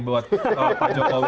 buat pak jokowi